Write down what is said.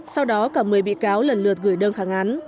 sau đó cả một mươi bị cáo lần lượt gửi đơn kháng án